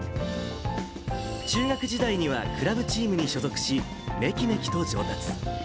中学時代にはクラブチームに所属し、めきめきと上達。